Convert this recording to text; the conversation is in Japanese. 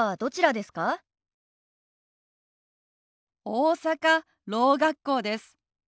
大阪ろう学校です。